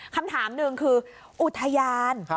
คำถามหนึ่งคืออุทยาน